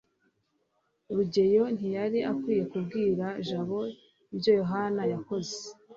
rugeyo ntiyari akwiye kubwira jabo ibyo yohana yakoze